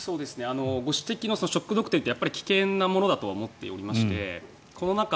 ご指摘のショック・ドクトリンって危険なものだとは思っておりましてコロナ禍